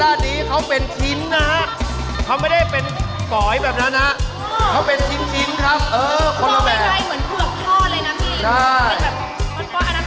อาจารย์นะคะซึ่งก็แปลว่ากระบองส่อง